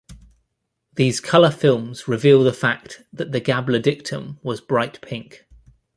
These colour films reveal the fact that the Gabblerdictum was bright pink.